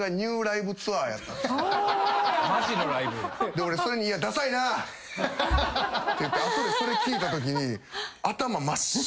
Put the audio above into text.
俺それにいやださいなって言って後でそれ聞いたときに。